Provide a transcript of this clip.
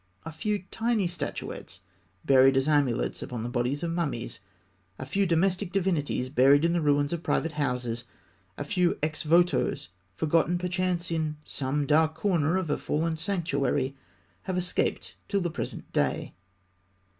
A few tiny statuettes buried as amulets upon the bodies of mummies, a few domestic divinities buried in the ruins of private houses, a few ex votos forgotten, perchance, in some dark corner of a fallen sanctuary, have escaped till the present day.